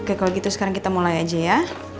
oke kalau gitu sekarang kita mulai aja ya